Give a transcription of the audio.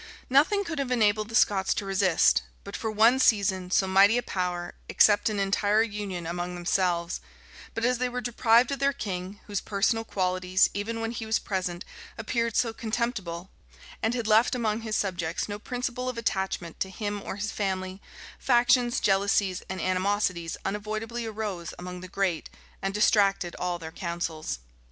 Nothing could have enabled the Scots to resist, but for one season, so mighty a power, except an entire union among themselves; but as they were deprived of their king, whose personal qualities, even when he was present, appeared so contemptible, and had left among his subjects no principle of attachment to him or his family, factions, jealousies, and animosities unavoidably arose among the great, and distracted all their councils.